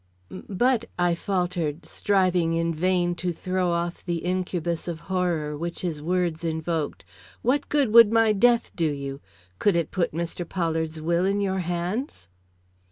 "But," I faltered, striving in vain to throw off the incubus of horror which his words invoked, "what good would my death do you? Could it put Mr. Pollard's will in your hands?"